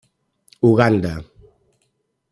Uganda.